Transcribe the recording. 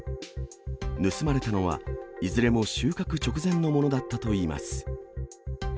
盗まれたのは、いずれも収穫直前のものだったといいます。